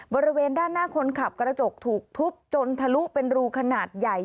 บริเวณด้านหน้าคนขับกระจกถูกทุบจนทะลุเป็นรูขนาดใหญ่